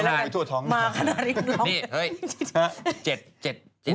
ร้องไปทั่วท้องมาขนาดนี้ร้อง